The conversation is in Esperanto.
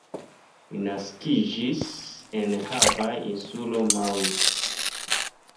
Li naskiĝis en havaja insulo Maui.